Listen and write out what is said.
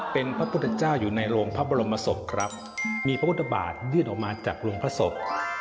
เป็นพระพุทธเจ้าอยู่ในโรงพระบรมศพครับมีพระพุทธบาทยื่นออกมาจากโรงพระศพ